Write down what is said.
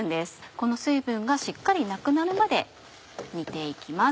この水分がしっかりなくなるまで煮て行きます。